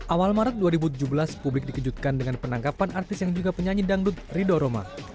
awal maret dua ribu tujuh belas publik dikejutkan dengan penangkapan artis yang juga penyanyi dangdut rido roma